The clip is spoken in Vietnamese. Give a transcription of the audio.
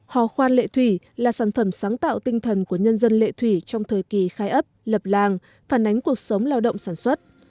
hò khoan lệ thủy là sản phẩm sáng tạo tinh thần của nhân dân lệ thủy trong thời kỳ khai ấp lập làng phản ánh cuộc sống lao động sản xuất